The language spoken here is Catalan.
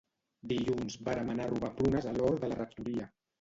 Dilluns vàrem anar a robar prunes a l'hort de la rectoria